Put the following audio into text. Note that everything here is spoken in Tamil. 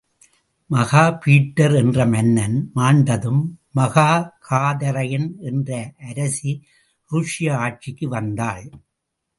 மகாபீட்டர் என்ற மன்னன் மாண்டதும் மகாகாதரைன் என்ற அரசி ருஷ்ய ஆட்சிக்கு வந்தாள்.